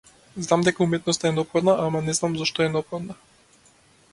Знам дека уметноста е неопходна, ама не знам зошто е неопходна.